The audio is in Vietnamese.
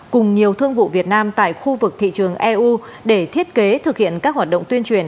cùng nhiều thương vụ việt nam tại khu vực thị trường eu để thiết kế thực hiện các hoạt động tuyên truyền